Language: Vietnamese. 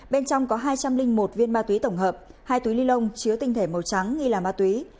bên trong có hai trăm linh một viên ma túy tổng hợp hai túy ly lông chiếu tinh thể màu trắng nghi là ma túy